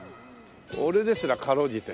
俺ですらかろうじて。